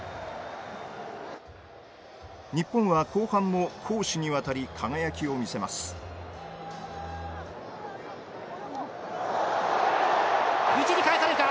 日本は後半も攻守にわたり輝きを見せます内に返された。